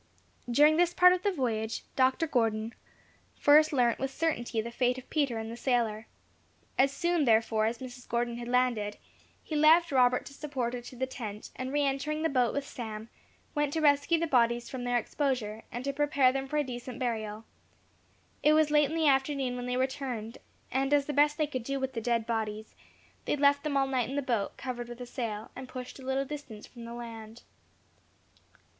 During this part of the voyage, Dr. Gordon first learnt with certainty the fate of Peter and the sailor. As soon therefore as Mrs. Gordon had landed, he left Robert to support her to the tent, and re entering the boat with Sam, went to rescue the bodies from their exposure, and to prepare them for a decent burial. It was late in the afternoon when they returned; and, as the best they could do with the dead bodies, they left them all night in the boat, covered with a sail, and pushed a little distance from the land.